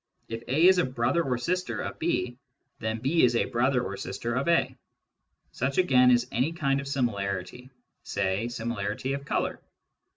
If A is a brother or sister then B is a brother or sister of A. Such again kind of similarity, say similarity of colour.